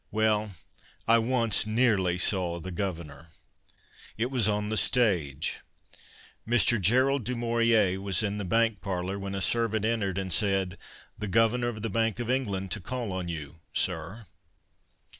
Well, I once nearly saw the Governor. It was on the stage. Mr. Gerald du Maurier was in the bank })arlour when a servant entered and said :" The Governor of the Bank of England to call on you, sir."